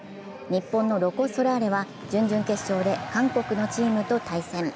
日本のロコ・ソラーレは準々決勝で韓国のチームと対戦。